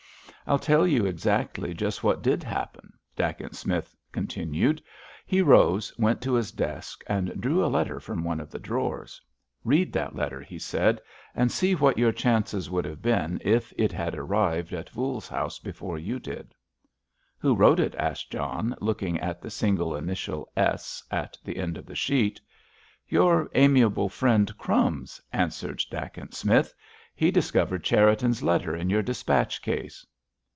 "I'll tell you exactly just what did happen," Dacent Smith continued. He rose, went to his desk, and drew a letter from one of the drawers. "Read that letter," he said, "and see what your chances would have been if it had arrived at Voules's house before you did." "Who wrote it?" asked John, looking at the single initial "S" at the end of the sheet. "Your amiable friend, Crumbs," answered Dacent Smith. "He discovered Cherriton's letter in your dispatch case."